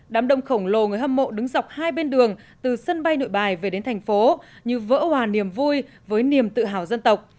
đám đông khổng lồ người hâm mộ đứng dọc hai bên đường từ sân bay nội bài về đến thành phố như vỡ hòa niềm vui với niềm tự hào dân tộc